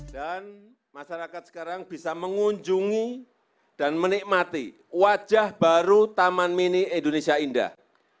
dan masyarakat sekarang bisa mengunjungi dan menikmati wajah baru taman mini indonesia indah